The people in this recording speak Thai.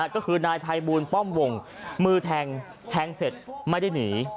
ก็คือนายภัยบูลป้อมวงมือแทงแทงเสร็จไม่ได้หนี